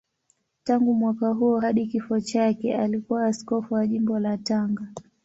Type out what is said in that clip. Tangu mwaka huo hadi kifo chake alikuwa askofu wa Jimbo la Tanga.